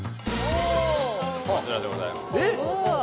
こちらでございますえっ！？